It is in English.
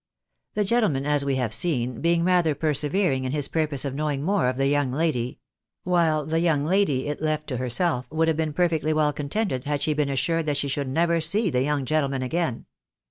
The gentleman, as we have seen, being rather persevering in his purpose of knowing more of the young lady, while the young lady, if left to herself, would have been perfectly well contented had she been assured that she should never see the young gentleman again.